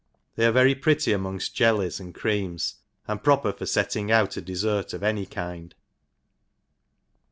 — They are very pretty amongft jellies and creams, and proper for fet« ting out a defert of any kind.